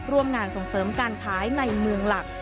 ร่วมงานส่งเสริมการขายในเมืองหลัก